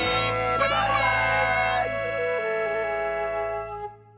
バイバーイ！